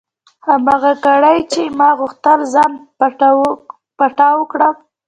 هماغه ګړۍ چې ما غوښتل ځان پټاو کړم.